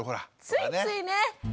ついついね。